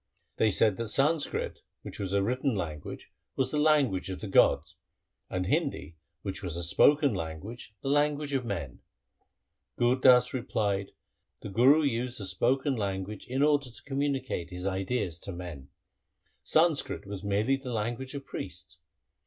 They said that Sanskrit, which was a written language, was the language of the gods, and Hindi, which was a spoken language, the language of men. Gur Das replied, ' The Guru used the spoken language in order to communicate his ideas to men. Sanskrit was merely the language of priests.